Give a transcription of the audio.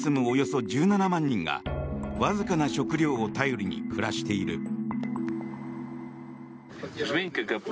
およそ１７万人がわずかな食料を頼りに暮らしている。